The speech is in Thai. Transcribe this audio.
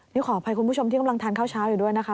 นี่ขออภัยคุณผู้ชมที่กำลังทานข้าวเช้าอยู่ด้วยนะคะ